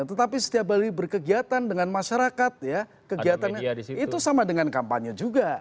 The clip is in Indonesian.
tetapi setiap kali berkegiatan dengan masyarakat ya kegiatan itu sama dengan kampanye juga